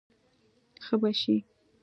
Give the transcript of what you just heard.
ښه به شې.